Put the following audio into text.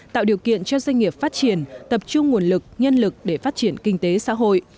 tạo điều kiện cho doanh nghiệp phát triển tập trung nguồn lực nhân lực để phát triển kinh tế xã hội